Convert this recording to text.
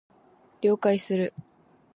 了解する